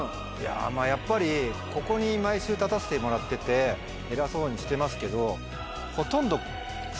やっぱりここに毎週立たせてもらってて偉そうにしてますけど。